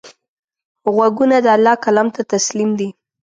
غوږونه د الله کلام ته تسلیم دي